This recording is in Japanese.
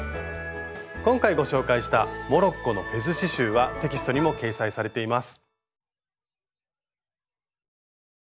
今回ご紹介したモロッコのフェズ刺しゅうはテキストにも掲載されています。